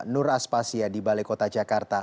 nur aspasya di balai kota jakarta